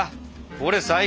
これ最高！